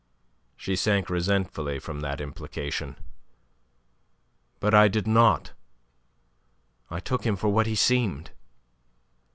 She shrank resentfully from that implication. "But I did not. I took him for what he seemed."